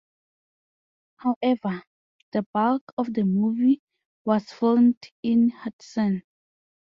However, the bulk of the movie was filmed in Hudson.